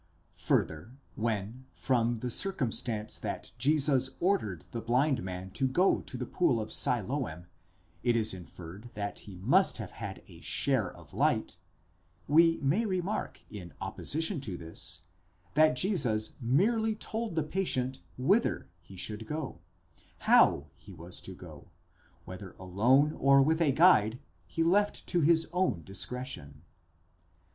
Further, when, from the circumstance that Jesus ordered the blind man to go to the pool of Siloam, it is inferred that he must have had a share of light, we may remark, in opposition to this, that Jesus merely told the patient wither he should go (ὑπάγεν) ; ow he was to go, whether alone or with a guide, he left to his own discretion.